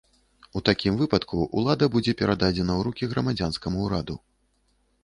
У такім выпадку, улада будзе перададзена ў рукі грамадзянскаму ўраду.